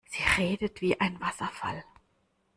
Sie redet wie ein Wasserfall.